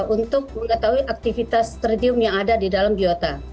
untuk mengetahui aktivitas tridium yang ada di dalam biota